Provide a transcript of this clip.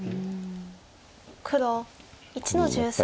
黒１の十三。